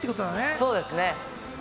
そうですね。